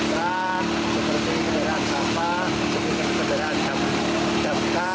seperti perjalanan seperti kendaraan kapal seperti kendaraan kapal